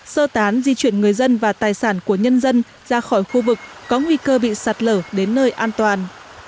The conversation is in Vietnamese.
sơ tán di chuyển người dân và tài sản của nhân dân ra khỏi khu vực có nguy cơ bị sạt lở đến nơi an toàn